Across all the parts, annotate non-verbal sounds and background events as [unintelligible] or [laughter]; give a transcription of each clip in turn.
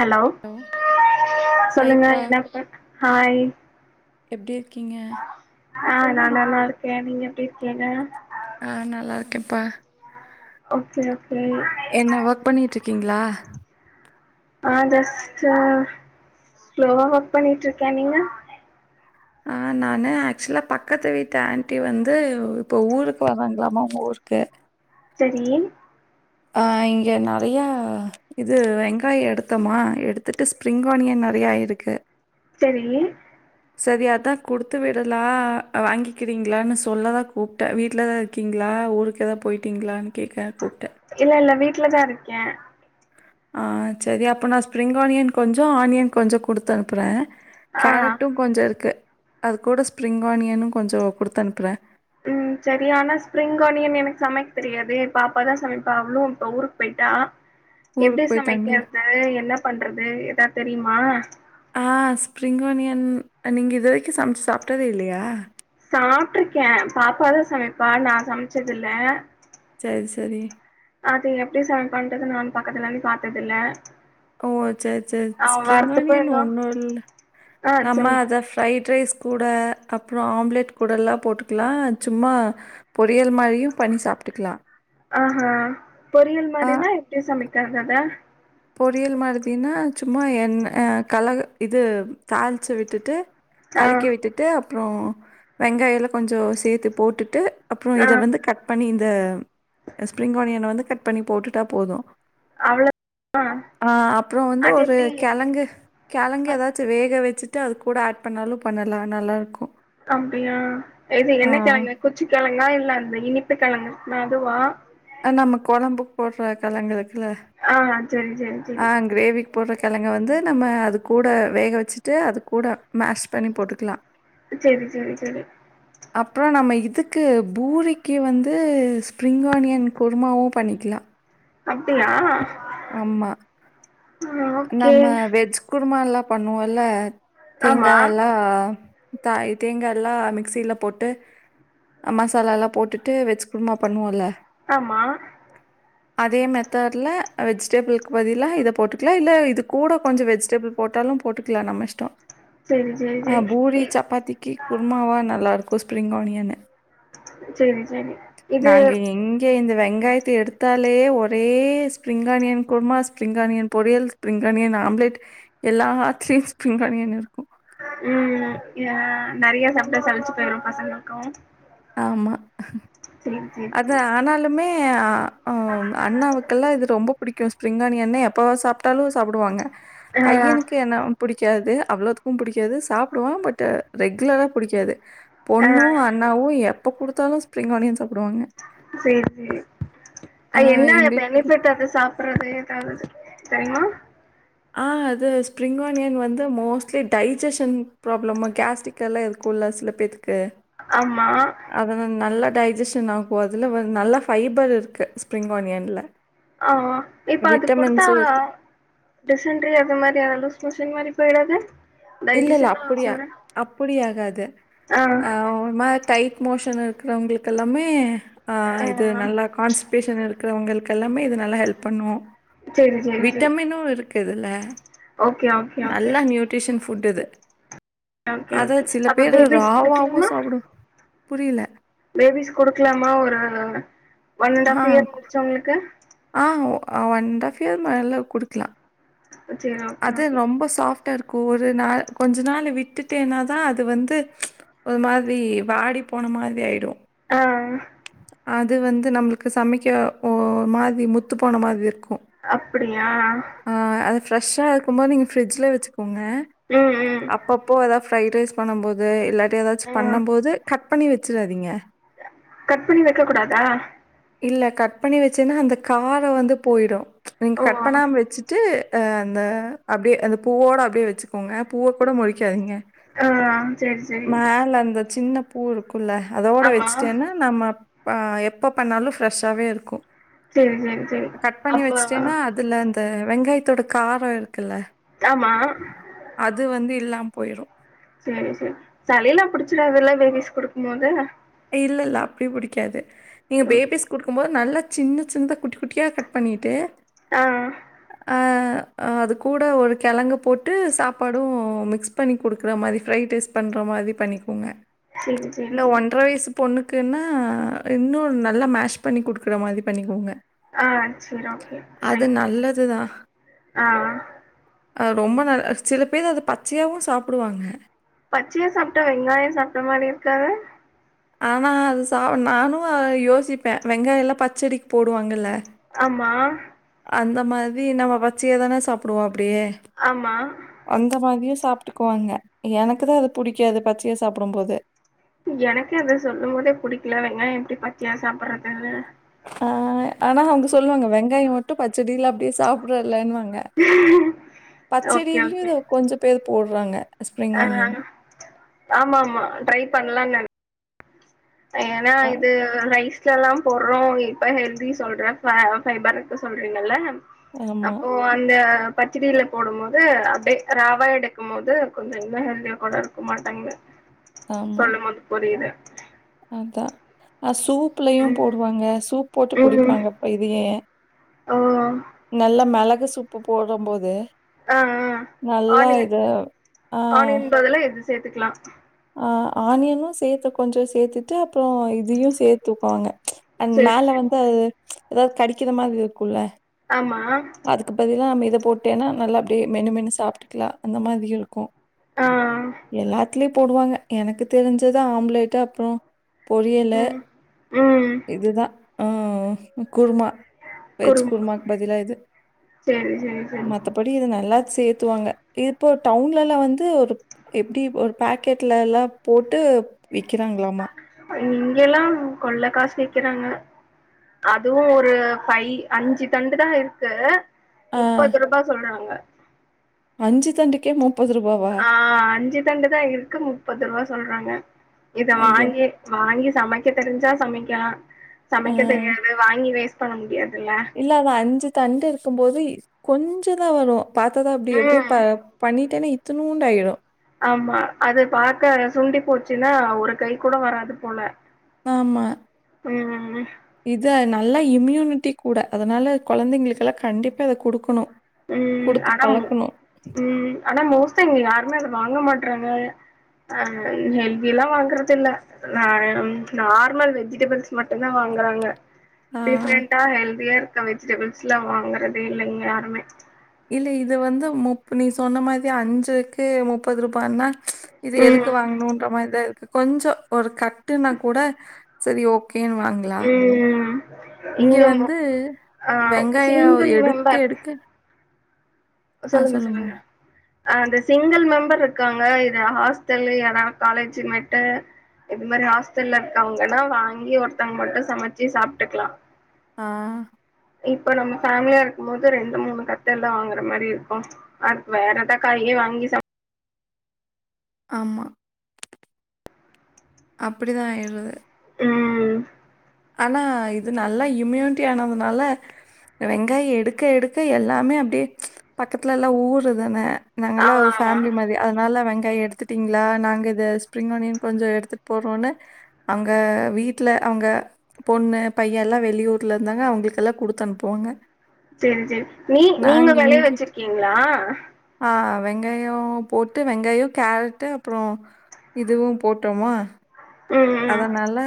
Hello சொல்லுங்க ஹாய்ப்பா என்ன ப ஹாய் எப்டி இருக்கீங்க ஆஹ் நா நல்லா இருக்கேன் நீங்க எப்டி இருக்கீங்க ஆ நல்லா இருக்கேன்ப்பா ஓகே ஓகே என்ன ஒர்க் பண்ணிட்டுட்ருக்கீங்களா ஆ ஜஸ்ட் ஸ்லோவா ஒர்க் பண்ணிட்டு இருக்கேன் நீங்க ஆ நானு ஆக்சுவலா பக்கத்து வீட்டு ஆன்ட்டி வந்து இப்போ ஊருக்கு வராங்களாமா உங்க ஊருக்கு சரி ஆ இங்கே நறையா இது வெங்காய எடுத்தமா எடுத்துட்டு ஸ்ப்ரிங் ஆனியன் நெறையாயிருக்கு சரி சரி அதா கொடுத்து விடலா வாங்கிக்கிறீங்களான்னு சொல்லதா கூப்பிட்டே வீட்ல தா இருக் கிங்களா ஊருக்கு எதா போயிட்டிங்களான்னு கேக்க கூப்பிட்டே இல்ல இல்ல வீட்ல தா இருக்கே ஆ சரி அப்போ நா ஸ்ப்ரிங் ஆனியன் கொஞ்சோ ஆனியன் கொஞ்சோ குடுத்து அனுப்புறே ஆ கேரட்டூ கொஞ்சே இருக்கு அது கூட ஸ்ப்ரிங் ஆனியனூ கொஞ்சே கொடுத்து அனுப்புறே ம் சரி ஆனா ஸ்ப்ரிங் ஆனியன் எனக்கு சமைக்க தெரியாதே பாப்பா தா சமைப்பா அவ்ளூ இப்ப ஊருக்கு போய்ட்டா எப்படி ஊருக்கு போயிட்டாங்கல்ல. சமைக்கறது என்ன பண்றது ஏதாவது தெரியுமா ஆ ஸ்ப்ரிங் ஆனியன் நீங்க இது வரைக்கும் சமைச்சு சாப்ட்டதே இல்லையா சாப்ட்டுருக்கே பாப்பாதா சமைப்பா நான் சமைச்சதில்ல சரி சரி அது எப்டி சமைப்பாண்றது நானும் பக்கத்துல இருந்து பாத்தது இல்ல ஓ சேரி சேரி ஸ்பிரிங் ஆனியன் இன்னு ஒன்னு இல்ல ஆ நம்ம சொல்லுங்க அத ஃப்ரைட் ரைஸ் கூட அப்புறோ ஆம்லெட் கூடல்லா போட்டுக்கலா சும்மா பொறியல் மாரியு பண்ணி சாப்ட்டுக்கலா ஆஹா பொறியல் மாரினா எப்டி சமைக்குறது அத பொரியல் மாதினா சும்மா எண்ண அ கலரு இது தாளிச்ச விட்டுட்டு ஆ களக்கி விட்டுட்டு அப்றோ வெங்காயொல்லா கொஞ்சொ சேத்து போட்டுட்டு அப்றோ ஆ இத வந்து கட் பண்ணி இந்த அ ஸ்ப்ரிங் ஆனியன வந்து கட் பண்ணி போட்டுட்டா போது அவள ஆ அப்றோ வந்து ஒரு எப்டி கெழங்கு கெழங்கு அ எதாச்சு வேக வச்சிட்டு அது கூட ஆட் பண்ணாலு பண்ணலா நல்லாருக்கு அப்டியா இது என்ன கிழங்கு குச்சி கிழங்கா இல்ல அந்த இனிப்பு கிழங்கு இருக்குமே அதுவா அ நம்ம கொழம்புக்கு போடுற கெழங்கு இருக்குல்ல ஆ செரி செரி ஆ செரி கிரேவி போடுற கெழங்க வந்து நம்ம அது கூட வேக வச்சுட்டு அது கூட மேஷ் பண்ணி போட்டுக்கலாம் ச்செரி ச்செரி ச்செரி அப்றோ நம்ம இதுக்கு பூரிக்கி வந்து ஸ்ப்ரிங் ஆனியன் குருமாவு பண்ணிக்லா அப்டியா ஆ ஆமா ஓகே நம்ம வெஜ் குருமாலா பண்ணுவோல ஆமா தேங்கா எல்லா தாய் தேங்காலா மிக்சில போட்டு மசாலாலா போட்டுட்டு வெஜ் குருமா பண்ணுவோல ஆமா அதே மெத் தெர்ல வெஜிடேபிள்க்கு பதிலா இத போட்டுக்லா இல்ல இது கூட கொஞ்சு வெஜிடபிள் போட்டாலும் போட்டுக்கலா நம்ம இஷ்டம் செரி செரி ஆ செரி பூரி இ சப்பாத்திக்கு குருமாவா நல்லா இருக்கும் ஸ்ப்ரிங் ஆனியனு செரி செரி இது நாங்க எங்க ஏ இந்த வெங்காயத்த எடுத்தாலே ஒர் ஒரே spring onion kurma spring onion பொரியல் ஸ்பிரிங் ஆனியன் ஆம்ப்லெட் எல்லா ஆத்துலயு ஸ்பிரிங் ஆனியன் இருக்கு ம் இதெல்லா நெறைய சாப்ட்டா சளிச்சு போயிரு பசங்களுக்கு ஆமா சேரி சேரி அதா சேரி ஆனாலுமே ஆ அம் அண்ணாவுக்கெல்லா இது ரொம்பப் புடிக்கு ஸ்பிரிங் ஆனியன்னா எப்பவா சாப்ட்டாலு சாப்புடுவாங்க ஆ பையனுக்கு என்ன புடிக்காது அவ்ளோத்துக்கு புடிக்காது சாப்டுவா பட்டு ரெகுலரா புடிக்காது ஆ பொண்ணு அண்ணாவு எப்ப குடுத்தாலு ஸ்ப்ரிங் ஆனியன் சாப்புடுவாங்க சேரி சேரி ஆ அது என்ன அது எங்களுக்கு பெனிஃபிட்டு அத சாப் வேற எதாவுது தெரிமா ஆ அது ஸ்ப்ரிங் ஆனியன் வந்து மோஸ்லி டைஜஷன் ப்ராப்ளமு கேஸ்டரிக் டெல்லே இருக்குல்லா சில பேத்துக்கு ஆமா அதுல நல்லா டைஜஷன் ஆகு அதுல நல்ல ஃபைபர் இருக்கு ஸ்ப்ரிங் ஆனியன்ல ஆ இப்ப அது குடுத்தா விட்டமின்ஸும் இரு டிசன்ரி அது மாரியான லூஸ்மோஷன் மாரி போயிடாது இல்ல இல்ல டைஜிஷன்னா அப்டி சொல்ற அப்டி ஆகாது ஆ அ ஒரு மாரி டைட் மோஷன் இருக்குறவங்களுக்கு எல்லாமே ஆ இது நல்லா கான்ஸ் லூஸ்மோஷன் இருக்கிறவங்களுக்கு எல்லாமே இது நல்லா ஹெல்ப் பண்ணு சேரி சேரி சேரி விட்டமினு இருக் கிதுல்ல ஓகே ஓகே நல்ல ஓகே நியூட்ரிஷன் ஃபுட் இது ஓகே அது ஓகே சில அப்ப பேரு பேபிஸ் ராவாவு குடுக்கலாமா சாப்பிடுவா புரில பேபிஸ் குடுகலாமா ஒரு one and ah half year முடிச்சவங்களுக்கு ஆ ஒன் அண்ட் ஹாஃப் இயர் மேல்ல குடுக்லா அ செரி [unintelligible] அது ரொம்ப சாஃப்டா இருக்கு ஒரு நாள் கொஞ்சோ நாள் விட்டுட்டேனாதா அது வந்து ஒரு மாரி வாடி போன மாரி ஆயிடு ஆ அது வந்து நம்ளுக்கு சமைக்க ஒரு மாரி முத்து போன மாதிரி இருக்கு அப்டியா அது ஃப்ரெஷ்ஷா இருக்குபோது நீங்க ஃப்ரிட்ஜில் வச்சுக்கோங்க ம் ம் அப்பப்போ எதாவுது ஃப்ரைட் ரைஸ் பண்ண போது இல்லாட்டி எதாச்சு ஆ பண்ண போது கட்ப் பண்ணி வச்சுடாதீங்க கட் பண்ணி வக்க கூடாதா இல்ல கட் பண்ணி வச்சேன்னா அந்த கார வந்து போயிடு நீங்க ஓ கட் பண்ணாம வெச்சுட்டு ட அந்த அப்டியே அந்த பூவோட அப்டியே வச்சி [unintelligible] நீங்க பூ கூட முழக்காதீங்க ஆ சரி சரி மேல அந்த சின்ன பூ இருக்கு உள்ள அதோட ஆமா வச்சிட்டேனா நம்ம ப எப்ப பண்ணாலு ஃப்ரெஷ்ஷாவே இருக்கு சரி சரி சரி கட் பண்ணி அப்ப வச்சுட்டேன்னா அதுல அந்த வெங்காயதோட கார இருக்குல்ல ஆமா அது வந்து இல்லாம போயிறு சேரி சேரி சளில்லா புடிச்சிடது இல்ல பேபிஸ்க் குடுக்கு போது இல்ல இல்ல அப்டி பிடிகாது நீங்க ஓகே பேபிஸ்குடுக்கு போது நல்ல சின்ன சிந்த குட்டி குட்டியா கட் பண்ணிட்டு ஆ அ அது கூட ஒரு கெழங்கு போட்டு சாப்பாடு மிக்ஸ் குக் பண்ணி குடுக்குற மாரி ஃப்ரைட் ரைஸ் பண்ணற மாரி பண்ணிக்கோங்க [unintelligible] ஒன்ற வயசு பொண்ணுக்குன்னா இன்னு நல்லா மேஷ் பண்ணி குடுக்குற மாரி பண்ணிகோங்க ஆ சரி ஓகே நல்லது ஆ அ ரொம்ப நல்ல சில பேர் அத பச்சையாவு சாப்பிடுவாங்க பச்சையா சாப்புட்டா வெங்காய சாப்ட்ட மாரி இருக்காதா ஆனா அது சா நானு யோசிபே வெங்காய எல்லா பச்சடிக்கு போடுவாங்கல ஆமா அந்த மாரி நம்ம பச்சைய தான சாபிடுவோ அப்டியே ஆமா அந்த மாரியு சாப்ட்டுக்குவாங்க எனக்குதா அது புடிக்காது பச்சையா சாப்பிடு போது எனக்கு அது சொல்லு போதே புடிக்கல வெங்காய எப்டி பச்சையா சாப்பிடறதுன்னு ஆ ஆனா அவுங்க சொல்லுவாங்க வெங்காய மட்டும் பச்சடில அப்டியே சாப்ட்றல்லன்னு வாங்க ஓகே பச்சடிலயு ஓகே இத கொஞ்ச பேர் போட்றாங்க ஆ ஆ ஆம் ஆம்மா ட்ரை பண்ணலா நெ ஏனா ஆ இது ரைஸ்யில எல்லா போட்றோ இப்ப ஹெல்தி சொல்ற பா ஃபைபர் இருக்கு சொல்றீங்க இல்ல ஆமா, அப்போ அந்த பச்சடில போடு போது அப்டியே ரவா எடுக்கு போது கொஞ்ச இன்னு ஹெல்தியா கூட இருக்க மாட்டங்க சொல்லு போது புரியுது அதா ஆ சூப்லயையு போடு ம் வாங்க சூப் போட்டு ம் குடிப்பாங்க இது ஏ ஓ நல்ல மிளகு சூப்பு போடுற போது ஆ ஆ ஆனியன் ஆ ஆனியன் பதிலா இது சேத்துக்கலா ஆ ஆனியனு சேத்து கொஞ்ச சேத்துட்டு அப்புறே இதையு சேத்துக்கு வாங்க அந் சேரி மேல சேரி வந்து ஏதாது கடிக்கிற மாறி இருக்குல்ல ஆமா அதுக்கு பதிலா நம்ம இத போட்டேன்னா நல்லா அப்டியே மென்னு மென்னு சாப்புட்டுக்கலா அந்த மாறி இருக்கும் ஆ எல்லாத்துலயு போடு வாங்க எனக்கு தெரிஞ்சது ஆம்லேட் அப்புறே பொரியலு ம் ம் இது தா ஆ ஆ குருமா வெஜ் குருமா குர்மாக்கு பதிலா இது சேரி சேரி சேரி மத்தபடி இது நல்லா சேத்து வாங்க இப்போ டவுன்லல்லா வந்து ஒரு எப்டி ஒரு பாக்கெட்ல எல்லா போட்டு விக்கிறாங்களாமா இங்க எல்லா கொள்ள காசு விக்குறாங்க அதுவு ஒரு ஃபை அஞ்சு தண்டு தா இருக்கு ஆ முப்பது ரூபா சொல்றாங்க அஞ்சு தண்டுக்கே முப் ஆ அஞ்சு தண்டுதா இருக்கு முப்பது ரூபா சொல்றாங்க இத ஐயோ! வாங்கியே வாங்கி சமைக்க தெரிஞ்சா சமைக்கலா ஆ சமைக்க தெரியாது வாங்கி வேஸ்ட் பண்ண முடியாது இல்ல இல்ல அவ அஞ்சு தண்டு இருக்கு போது கொஞ்சதா வரு பாத்தாதா அப்டி எப்டி ம் பா பண்ணிட்டேனா இத்துனூண்டு ஆயிடு ஆமா அது பாக்க சுண்டி போச்சுன்னா ஒரு கை கூட வராது போல ஆமா ம் ம் ம் ம் ம் இத நல்லா இம்யூனிட்டி கூட அதனால குழந்தைங்களுக்கு எல்லா கண்டிப்பா இத குடுக்குணு ம் ஆனா ம் ஆனா மோஸ்ட்டா இங்க யாருமே அத வாங்க மாட்றாங்க ஆ ஹெல்தி எல்லா வாங்கறது இல்ல நானு நார்மல் வெஜிடபிள்ஸ் மட்டும் தா வாங்குறாங்க ஆ டிஃப்ரெண்டா ஹெல்தியா இருக்க வெஜிடபிள்ஸ்சு எல்லா வாங்குறதே இல்ல இங்க யாருமே இல்ல இது வந்து முப் நீ சொன்ன மாறி அஞ்சுக்கு முப்பது ரூபானா இத எதுக்கு ம் வாங்கணுன்ற மாறிதா இருக்கு கொஞ்ச ஒரு கட்டுன்னா கூட சேரி ஓகேன்னு வாங் எல்லா ம் இங்க வந்து ஆ வெங்காய சிங்கிள் எடுக்க மெம்பர் எடுக்க சொல்லுங்க சொல்லுங்க ஆ அந்த சிங்கிள் மெம்பர் இருக்காங்க இத ஹாஸ்டல்லு யாராது காலேஜ்மேட்டு இது மாறி ஹாஸ்டல்ல இருக்க வாங்க எல்லா வாங்கி ஒருத்தவங்க மட்டும் சமைச்சு சாப்புட்டுக்கலா ஆ இப்ப நம்ம ஃபேமிலியா இருக்கு போது ரெண்டு மூணு கட்டெல்லா வாங்க மாரி இருக்கு அடுத்து வேற எதா காயே வாங்கி சுப் ஆமா அப்படி தா ஆய்ருது ம் ஆனா இது நல்லா இம்யூனிட்டி ஆனதுனால வெங்காய் எடுக்க எடுக்க எல்லாமே அப்டியே பக்கத்துல எல்லா ஊரு தான நாங்க எல்லா ஆமா ஒரு ஆமா ஃபேமிலி மாரி அதுனால வெங்காய எடுத்துட்டீங்களா நாங்க இத ப்ரிங் அனியன் கொஞ்சோ எடுத்துட்டு போறோன்ன அங்க வீட்டல அங்க பொண்ணு பைய எல்லா வெளியூர்ல இருந்தாங்க அவங்களுக்கெல்லா குடுத்தனுப்புவாங்க செரி செரி நீ நீங்க வெளைய இங்கே வச்சிருக்கீங்ளா ஆ வெங்காய போட்டு வெங்காய கேரட்டு் அப்பறோ இதுவு போட்டோமா ம் ம் அதனால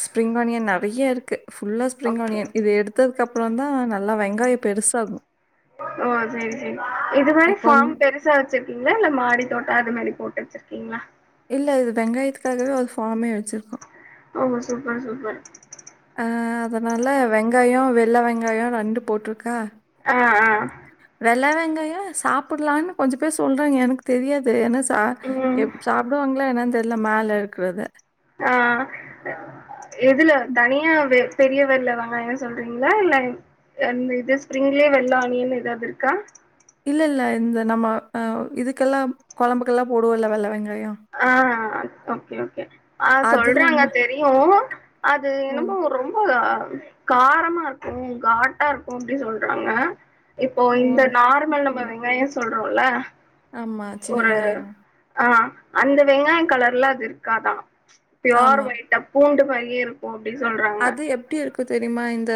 ஸ்பிரிங் ஆனியன் நெறைய இருக்கு ஃபுல்லா ஸ்பிரிங் ஓகே ஆனியன் இத எடுத்ததுக்கு அப்ரோ தா நல்லா வெங்காயம் பெருசாகு ஓ செரி செரி இது மாரி கொஞ் ஃபார்ம் பெருசா வச்சிருக்கீங்களா இல்ல மாடி தோட்ட அது மாரி போட்டு வச்சிருக்கீங்ளா இல்ல இது வெங்காயத்துக்காகவே ஒரு ஃபார்மே வச்சிருக்கோ ஓ சூப்பர் சூப்பர் ஆ அதனால வெங்காயம் வெள்ள வெங்காயம் ரெண்டு போட்ருக்கா ஆ ஆ வெள்ள வெங்காயம் சாப்புட்லான்னு கொஞ்ச பேர் சொல்றங்க எனக்கு தெரியாது ஏனா சா ம் எப் சாப்டுவாங்களானு என்ன தெரில மேல இருக்குறத ஆ எதுல தனியாவே பெரிய வெள்ள வெங்காய சொல்றீங்களா இல்ல அந்த இது ஸ்ப்ரிங்லயே வெள்ள ஆனியன் எதாவது இருக்கா இல்ல இல்ல இந்த நம்ம ஆ இதுக்கெல்லா கொழம்புக்கெல்லா போடுவோல வெள்ள வெங்காய ஆ ஓகே ஓகே ஆ அதுல சொல்றாங்க ம தெரியு அது ஓ! இன்னுமோ ரொம்ப காரமா இருக்கு காட்டா இருக்கு அப்டி சொல்றாங்க இப்போ ஓ! இந்த அது பத்தி நார்மல் தெரியாது. வெங்காய சொல்றோல ஆமா சின்ன ஒரு வெங்காய ஆ அந்த வெங்காய கலர்ல அது இருக்காதா பியோர் ஆமா. ஒயிட்டா பூண்டு மாரியே இருக் ஓ அப்டி சொல்ற அது எப்டி இருக்கு தெரியுமா இந்த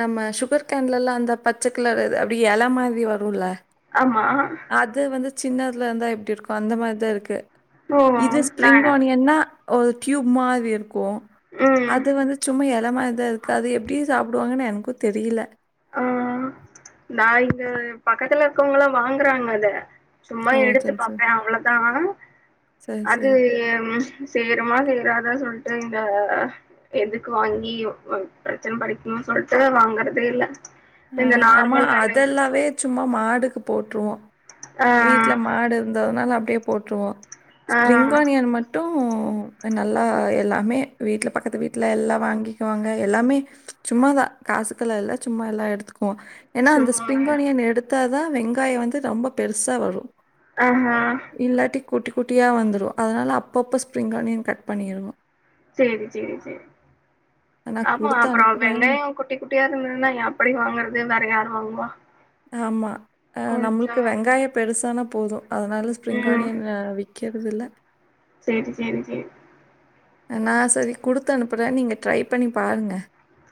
நம்ம சுகர் கேன்லலா அந்த பச்ச கலர் அது அப்டி எல மாதிரி வருல ஆமா அது வந்து சின்னதுல இருந்தா இப்டி இருக்கு அந்த மாரிதா இருக்கு ஓ! இது ஸ்பிரிங் நானா? ஆனியன்னா ஒரு டியூப் மாரி இருக்கு ம். அது வந்து ஆ இளமா தா இருக்கு அத எப்டி சாப்டுவாங்கன்னு எனக்கு தெரில ஆ நா இங்க பக்கத்துல இருக்கவங்களா வாங்கறாங்க அத சும்மா ஓ! எடுத்து சரி, பாப்ப சரி. அவ்ளோதா ஆ சரி, அது சரி. சேருமா சேராதா சொல்டேங்க எதுக்கு வாங்கி ஒ பிரச்சன படிக்கனுன் சொல்ட்டு வாங்கறதே இல்ல இந்த ம் ஆமா நார்மல் வெங்காயம் அதெல்லாவே சும்மா மாடுக்கு போட்ருவோ ஆ, வீட்ல மாடு இருந்ததுனால அப்டியே போட்ருவோ ஆ ஸ்பிரிங் ஆனியன் மட்டு ப்ப நல்லா எல்லாமே வீட்ல பக்கத்து வீட்ல எல்லா வாங்கிக்குவாங்க எல்லாமே சும்மாதா காசுக்கெல்லா இல்ல சும்மா எல்லா எடுத்துக்குவோ ஏன்னா அந்த ஸ்பிரிங் சும்மாவே ஆனியன் எடுத்தாதா வெங்காய வந்து ரொம்ப பெருசா வரு ஆ ஹா இல்லாட்டி குட்டி குட்டியா வந்ரு அதனால அப்பப்போ ஸ்பிரிங்கானியன் கட் பண்ணிருனு சேரி சேரி சேரி நான் ஆமா குடுத்து அப்பறோ அனுப்புறேன். வெங்காயோங் கூ குட்டி குட்டியா இருந்ததுன்னா எப்டி வாங்குறது வேற யார் வாங்குவா ஆமா ஆ நம்மளுக்கு கொஞ்சம் வெங்காயம் பெருசானா போதும் அதனால ஸ்ப்ரிங் ம் ஆனியன் அ கெடுதுல்ல சேரி செரி செரி அ நா சரி குடுத்தனுப்புற நீங்க ட்ரை பண்ணி பாருங்க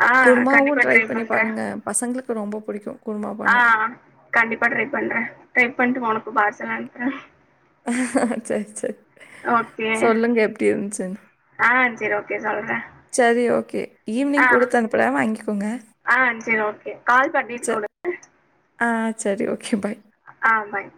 ஆ குருமாவு கண்டிப்பா ட்ரை பண்ணி பண்றே பாருங்க பசங்களுக்கு ரொம்ப புடிக்கு ஆ கண்டிப்பா ட்ரை பண்ற ட்ரை பண்ட்டு உனக்கு பார்சல் அனுப்புற சர் சர் ஓகே ஆ சரி ஓகே சொல்றே சரி ஓகே ஆ ஈவினிங் குடுத்து அனுப்புற வாங்கிக்கோங்க ஆ சரி ஓகே கால் பண்ணிட்டு ச குடு ஆ சரி ஓகே பாய் ஆ பாய்